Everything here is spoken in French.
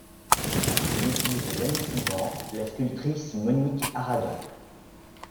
Il épouse l'année suivante la sculptrice Monique Arradon.